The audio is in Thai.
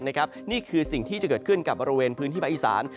นี่คือสิ่งที่จะเกิดขึ้นกับบริเวณพื้นที่ภาคอีสาน